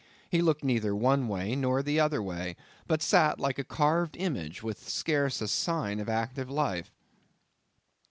He looked neither one way nor the other way, but sat like a carved image with scarce a sign of active life.